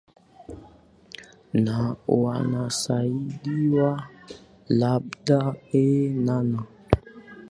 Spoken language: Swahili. na wanasaidiwa labda eeeh na na